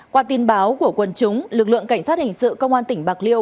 qua tin báo của quân chúng lực lượng cảnh sát hình sự công an tỉnh bạc liêu